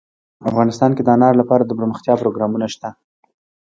افغانستان کې د انار لپاره دپرمختیا پروګرامونه شته.